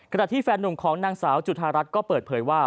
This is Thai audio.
ที่แฟนหนุ่มของนางสาวจุธารัฐก็เปิดเผยว่า